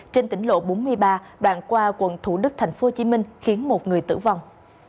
trên tỉnh lộ bốn mươi ba đoạn qua quận thủ đức tp hcm khiến một người tử vong